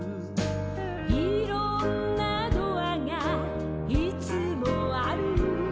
「いろんなドアがいつもある」